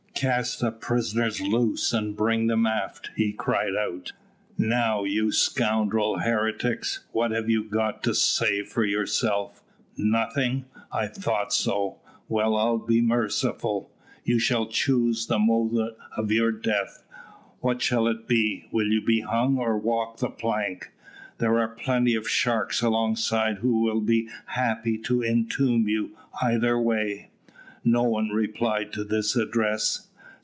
"Cast the prisoners loose, and bring them aft," he cried out. "Now, you scoundrel heretics, what have you got to say for yourselves? Nothing? I thought so. Well, I will be merciful. You shall choose the mode of your death. What shall it be will you be hung or walk the plank? There are plenty of sharks alongside who will be happy to entomb you either way." No one replied to this address.